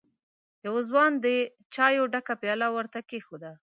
يوه ځوان د چايو ډکه پياله ور ته کېښوده.